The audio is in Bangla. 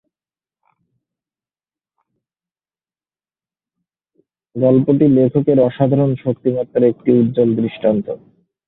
গল্পটি লেখকের অসাধারণ শক্তিমত্তার এক উজ্জ্বল দৃষ্টান্ত।